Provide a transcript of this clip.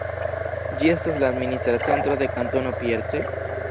Ĝi estas la administra centro de Kantono Pierce.